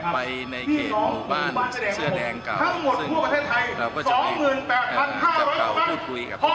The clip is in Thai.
ไปในเขตหมู่บ้านเสื้อแดงเก่าซึ่งเราก็จะได้จะเข้าดูคุยกับพระมิจิเดร์